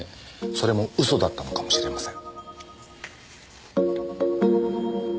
それも嘘だったのかもしれません。